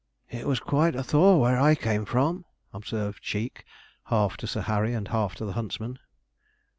'It was quite a thaw where I came from,' observed Cheek, half to Sir Harry and half to the huntsman.